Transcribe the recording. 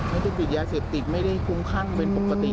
ไม่ได้ติดยาเสพติดไม่ได้คุ้มคลั่งเป็นปกติ